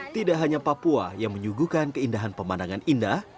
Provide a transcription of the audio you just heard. tidak hanya papua yang menyuguhkan keindahan pemandangan indah